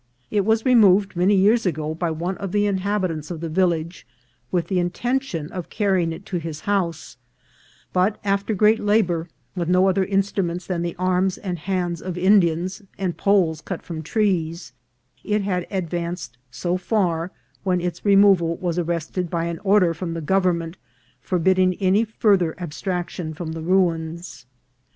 It was removed many years ago by one of the inhabitants of the village, with the intention of carrying it to his house ; but, after great labour, with no other instruments than the arms and hands of Indians, and poles cut from trees, it had ad vanced so far, when its removal was arrested by an order from the government forbidding any farther ab straction from the ruins.